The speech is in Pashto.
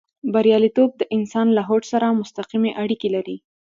برياليتوب د انسان له هوډ سره مستقيمې اړيکې لري.